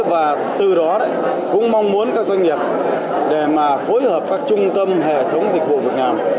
và từ đó cũng mong muốn các doanh nghiệp để mà phối hợp các trung tâm hệ thống dịch vụ việc làm